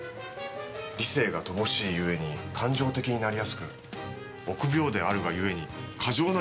理性が乏しいゆえに感情的になりやすく臆病であるがゆえに過剰な自己防衛に走る。